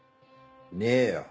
ねえよ。